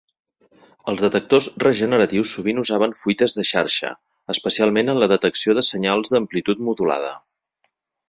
Els detectors regeneratius sovint usaven fuites de xarxa, especialment en la detecció de senyals d'amplitud modulada.